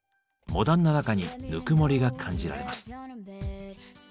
モダンな中にぬくもりが感じられます。